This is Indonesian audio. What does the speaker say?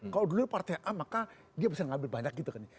kalau dulu partai a maka dia bisa mengambil banyak gitu kan